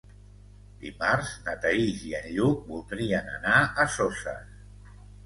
Dimarts na Thaís i en Lluc voldrien anar a Soses.